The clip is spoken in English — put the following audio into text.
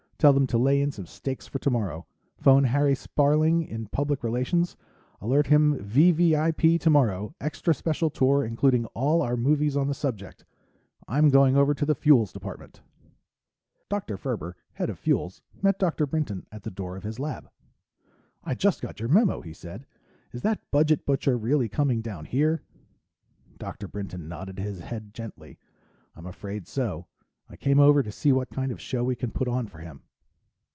Tell them to lay in some steaks for tomorrow. Phone Harry Sparling in Public Relations alert him V.V.I.P. tomorrow, extra special tour including all our movies on the subject. I'm going over to the Fuels Department." Dr. Ferber, head of Fuels, met Dr. Brinton at the door of his lab. "I just got your memo," he said. "Is that budget butcher really coming down here?" Dr. Brinton nodded his head gently. "I'm afraid so. I came over to see what kind of show we can put on for him."